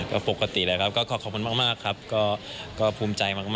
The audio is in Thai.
ก็ปกติแล้วครับก็ขอขอบคุณมากครับก็ภูมิใจมาก